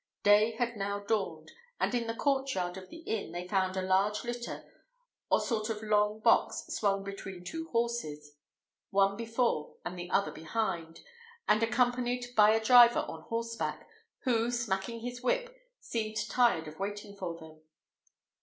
Day had now dawned, and in the court yard of the inn they found a large litter, or sort of long box swung between two horses, one before and the other behind, and accompanied by a driver on horseback, who, smacking his whip, seemed tired of waiting for them.